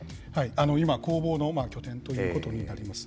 今、攻防の拠点ということになります。